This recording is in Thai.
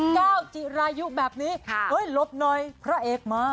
เก้าจิรายุแบบนี้ลบหน่อยพระเอกมา